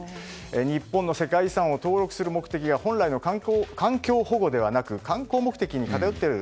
日本の世界遺産を登録する目的が本来の環境保護ではなくて観光目的に偏っている。